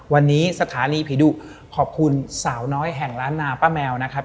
วันนี้สถานีผีดุขอบคุณสาวน้อยแห่งล้านนาป้าแมวนะครับ